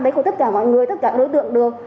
đấy của tất cả mọi người tất cả đối tượng được